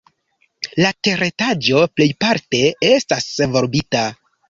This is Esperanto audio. La teretaĝo plejparte estas volbita.